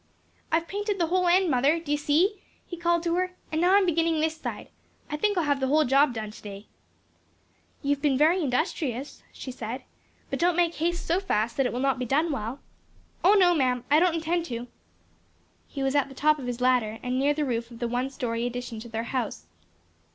"I've painted the whole end, mother; do you see?" he called to her; "and now I'm beginning this side. I think I'll have the whole job done to day." "You have been very industrious," she said, "but don't make haste so fast that it will not be done well." "Oh, no, ma'am, I don't intend to." He was at the top of his ladder and near the roof of the new one story addition to their house.